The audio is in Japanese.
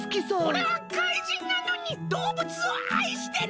おれは怪人なのにどうぶつをあいしてる！